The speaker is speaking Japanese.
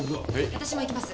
私も行きます。